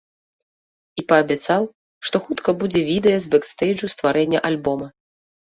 І паабяцаў, што хутка будзе відэа з бэкстэйджу стварэння альбома.